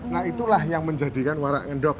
nah itulah yang menjadikan warak ngendok